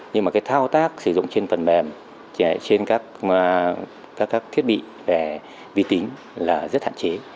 nhưng mà cái thao tác sử dụng trên phần mềm trên các thiết bị về vi tính là rất hạn chế